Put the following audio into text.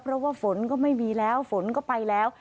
เพราะว่าฝนก็ไม่มีแล้วฝนก็ไปแล้ว